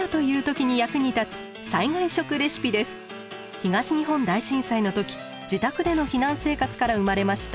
東日本大震災の時自宅での避難生活から生まれました。